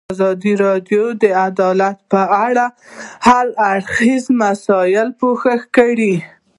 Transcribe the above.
ازادي راډیو د عدالت په اړه د هر اړخیزو مسایلو پوښښ کړی.